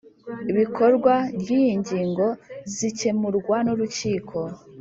Bikorwa ry’iyi ngingo zikemurwa n’Urukiko